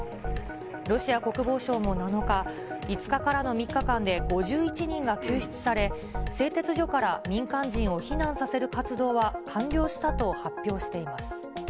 ロシア国防省も７日、５日からの３日間で５１人が救出され、製鉄所から民間人を避難させる活動は完了したと発表しています。